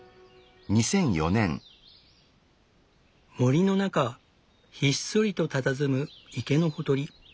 森の中ひっそりとたたずむ池のほとり。